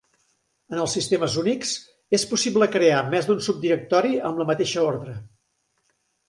En els sistemes Unix, és possible crear més d'un subdirectori amb la mateixa ordre.